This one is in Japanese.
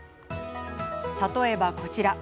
例えば、こちら。